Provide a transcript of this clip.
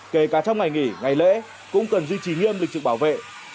kể cả trong ngày nghỉ ngày lễ cũng cần duy trì nghiêm lực trực bảo vệ